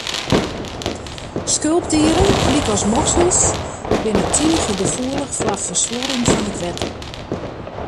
Skulpdieren lykas moksels, binne tige gefoelich foar fersuorring fan it wetter.